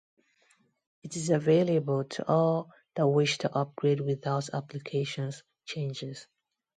It is available to all that wish to upgrade without applications changes.